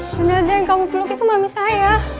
jangan jangan kamu kluk itu mami saya